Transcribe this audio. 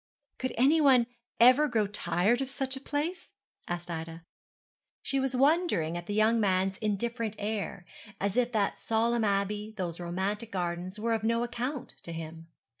'Could anyone ever grow tired of such a place?' asked Ida. She was wondering at the young man's indifferent air, as if that solemn abbey, those romantic gardens, were of no account to him.